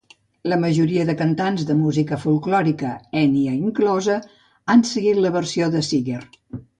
La majoria de cantants de música folklòrica, Enya inclosa, han seguit la versió de Seeger.